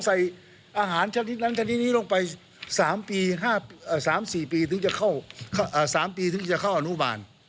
หอมใส่อาหารชนิดนั้นชนิดนี้ลงไป๓๔ปีถึงจะเข้าอนุบาล